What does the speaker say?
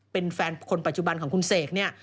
เป็นแฟนคนปัจจุบันของคุณเสกเนี่ย